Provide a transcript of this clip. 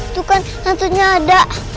tuh kan hantunya ada